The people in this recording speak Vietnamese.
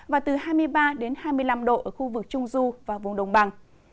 và từ hai mươi ba đến hai mươi năm độ ở khu vực trung du và vùng đồng bằng